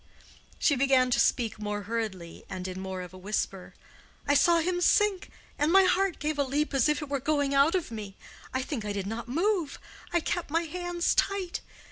She began to speak more hurriedly, and in more of a whisper. "I saw him sink, and my heart gave a leap as if it were going out of me. I think I did not move. I kept my hands tight.